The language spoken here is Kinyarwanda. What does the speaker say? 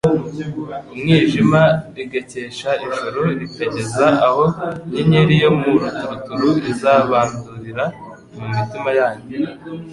Umwijima rigakesha ijoro rikageza aho inyenyeri yo mu ruturuturu izabandurira mu mitima yanyu"